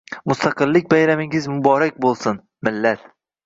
Mustaqillik bayramingiz muborak bo'lsin, millat!